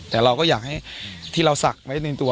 แต่เราก็อยากให้ที่เราศักดิ์ไว้ในตัว